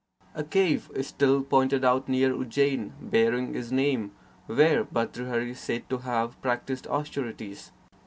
A cave is still pointed out near Ujjain, bearing his name, where Bhartrhari is said to have practised austerities.